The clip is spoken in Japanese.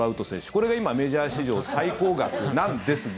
これが今、メジャー史上最高額なんですが。